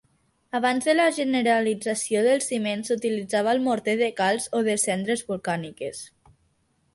Abans de la generalització del ciment s'utilitzava el morter de calç o de cendres volcàniques.